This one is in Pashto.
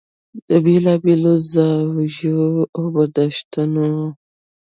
د بېلا بېلو زاویو او برداشتونو و.